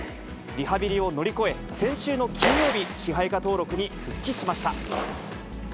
リハビリを乗り越え、先週の金曜日、支配下登録に復帰しました。